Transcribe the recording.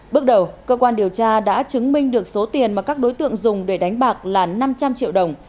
bước đầu cơ quan điều tra đã chứng minh được số tiền mà các đối tượng dùng để đánh bạc là năm trăm linh triệu đồng